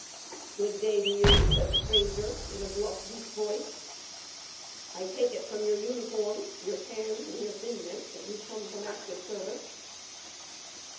"Good day to you," said the stranger in a bluff, deep voice. "I take it from your uniform, your tan and your thinness that you've come from active service."